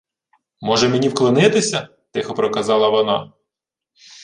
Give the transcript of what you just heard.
— Може, мені вклонитися? — тихо проказала вона.